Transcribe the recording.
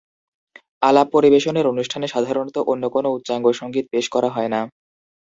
আলাপ পরিবেশনের অনুষ্ঠানে সাধারণত অন্য কোনো উচ্চাঙ্গসঙ্গীত পেশ করা হয় না।